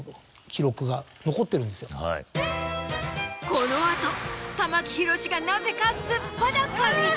この後玉木宏がなぜか素っ裸に。